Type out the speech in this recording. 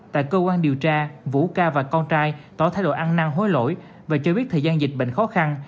tại cơ quan điều tra vũ ca và con trai tỏ thái độ ăn năng hối lỗi và cho biết thời gian dịch bệnh khó khăn